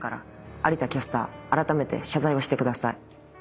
有田キャスターあらためて謝罪をしてください。